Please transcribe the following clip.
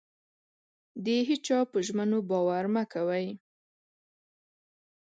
د هيچا په ژمنو مه باور مه کوئ.